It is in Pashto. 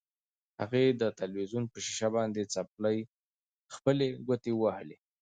هغې د تلویزیون په شیشه باندې خپلې ګوتې وهلې.